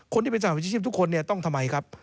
คนที่เป็นสหวิชาชีพทุกคนเนี่ยต้องทำไมครับ